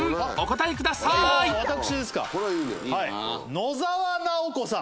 野沢直子さん。